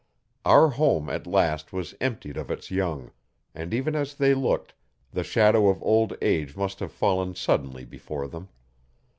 Our home at last was emptied of its young, and even as they looked the shadow of old age must have fallen suddenly before them.